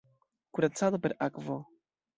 Kuracado per akvo.